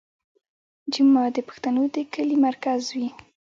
جومات د پښتنو د کلي مرکز وي.